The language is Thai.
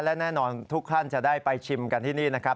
และแน่นอนทุกท่านจะได้ไปชิมกันที่นี่นะครับ